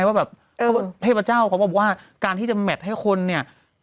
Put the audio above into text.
ว่าแบบเทพเจ้าเขาบอกว่าการที่จะแมทให้คนเนี่ย